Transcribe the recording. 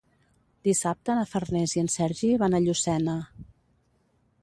Dissabte na Farners i en Sergi van a Llucena.